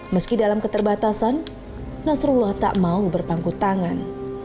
meski dalam keterbatasan nasrullah tak mau berpangku tangan